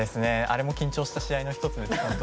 あれも緊張した試合の１つです。